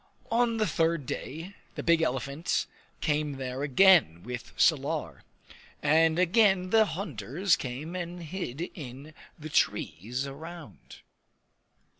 On the third day the big elephant came there again, with Salar; and again the hunters came and hid in the trees around.